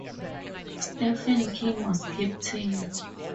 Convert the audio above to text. Stephen King was captain.